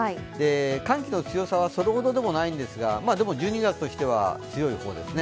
寒気の強さはそれほどでもないんですがでも、１２月としては強い方ですね。